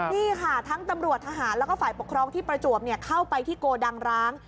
นี่ค่ะทั้งตำรวจทหารแล้วก็ฝ่ายปกครองที่ประจวบเข้าไปที่โกดังร้าง